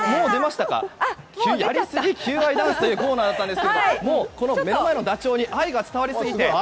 やりすぎ求愛ダンスというコーナーだったんですがもう、目の前のダチョウに愛が伝わりすぎて。